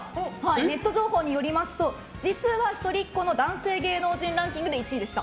ネット情報によりますと実は一人っ子の男性芸能人ランキングで１位でした。